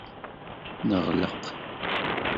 Neɣleq.